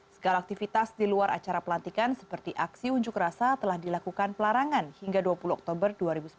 segala aktivitas di luar acara pelantikan seperti aksi unjuk rasa telah dilakukan pelarangan hingga dua puluh oktober dua ribu sembilan belas